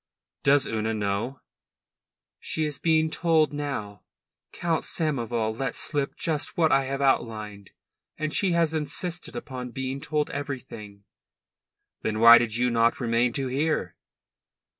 "Does Una know?" "She is being told now. Count Samoval let slip just what I have outlined. And she has insisted upon being told everything." "Then why did you not remain to hear?"